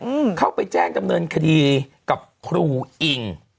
อืมเข้าไปแจ้งดำเนินคดีกับครูอิง